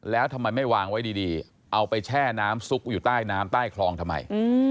แล้วทำไมไม่วางไว้ดีเอาไปแช่น้ำซุกอยู่ใต้น้ำใต้คลองทำไม